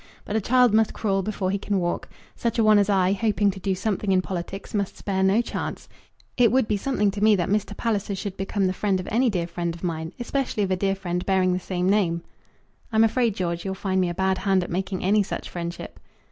But a child must crawl before he can walk. Such a one as I, hoping to do something in politics, must spare no chance. It would be something to me that Mr. Palliser should become the friend of any dear friend of mine, especially of a dear friend bearing the same name." "I'm afraid, George, you'll find me a bad hand at making any such friendship."